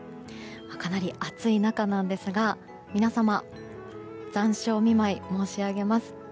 かなり暑い中なんですが皆様、残暑お見舞い申し上げます。